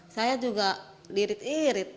saya juga irit irit